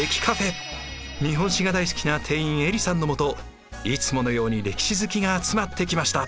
日本史が大好きな店員えりさんのもといつものように歴史好きが集まってきました。